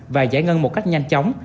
và giải ngân một cách nhanh chóng